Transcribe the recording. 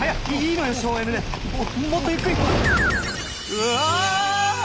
うわ！